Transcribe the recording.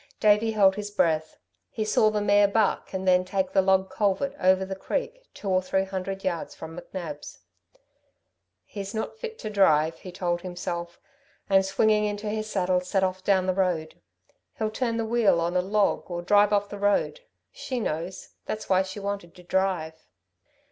Davey held his breath; he saw the mare buck and then take the log culvert over the creek two or three hundred yards from McNab's. "He's not fit to drive," he told himself, and swinging into his saddle, set off down the road. "He'll turn the wheel on a log, or drive off the road. She knows. That's why she wanted to drive."